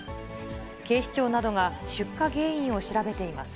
警視庁などが出火原因を調べています。